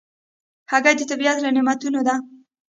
هګۍ د طبیعت له نعمتونو ده.